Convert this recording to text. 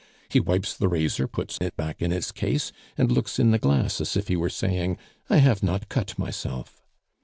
He wipes the razor, puts it back in its case, and looks in the glass as if he were saying, 'I have not cut myself!